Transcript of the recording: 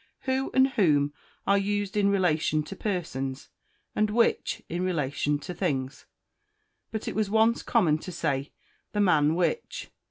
Who and whom are used in relation to persons, and which in relation to things. But it was once common to say, "the man _which.